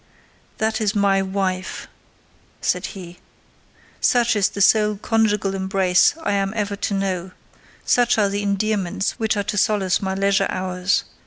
"That is my wife," said he. "Such is the sole conjugal embrace I am ever to know—such are the endearments which are to solace my leisure hours!